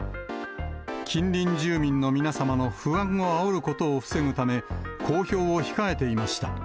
近隣住民の皆様の不安をあおることを防ぐため、公表を控えていました。